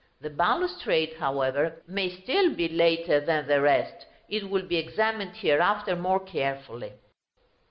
The balustrade, however, may still be later than the rest; it will be examined, hereafter, more carefully.